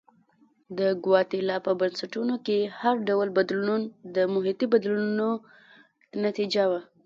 د ګواتیلا په بنسټونو کې هر ډول بدلون د محیطي بدلونونو نتیجه وه.